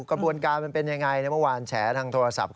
กวดบูรณ์การเรื่องเป็นอย่างไรมาเมื่อวานแฉอทางโทรศัพท์